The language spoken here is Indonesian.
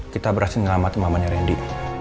kita berhasil menyelamatkan mamanya randy